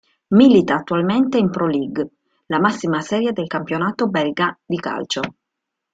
Milita attualmente in Pro League, la massima serie del campionato belga di calcio.